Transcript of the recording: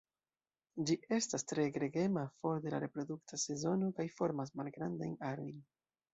Ĝi estas tre gregema for de la reprodukta sezono kaj formas malgrandajn arojn.